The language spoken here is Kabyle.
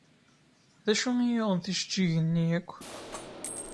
D acu i yuɣen tijeǧǧigin-nni akk?